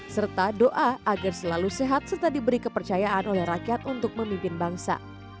serta doa agar selalu sehat serta diberi kepercayaan oleh rakyat untuk memimpin bangsa